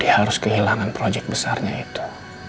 dia harus kehilangan projek besarnya itu